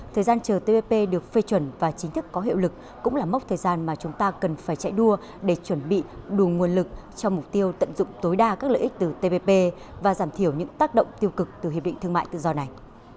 thời gian chờ tpp được phê chuẩn và chính thức có hiệu lực cũng là mốc thời gian mà chúng ta cần phải chạy đua để chuẩn bị đủ nguồn lực cho mục tiêu tận dụng tối đa các lợi ích từ tpp và giảm thiểu những tác động tiêu cực từ hiệp định thương mại tự do này